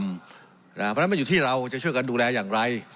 เพราะฉะนั้นมันอยู่ที่เราจะช่วยกันดูแลอย่างไร